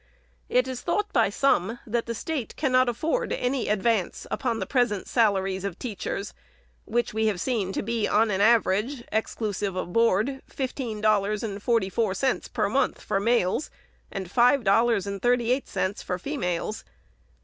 It is thought by some, that the State cannot afford any advance upon the present salaries of teachers, which we have seen to be on an average, exclusive of board, fifteen dollars and forty four cents per month for males, and five 428 THE SECRETARY'S dollars and thirty eight cents for females.